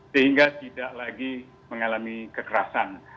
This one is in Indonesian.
sehingga tidak lagi mengalami kekerasan